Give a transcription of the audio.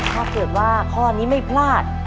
ถ้าเกิดว่าข้อนี้ไม่พลาด